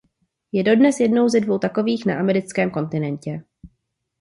Je dodnes jednou ze dvou takových na americkém kontinentě.